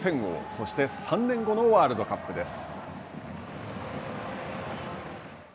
そして３年後のワールドカップです。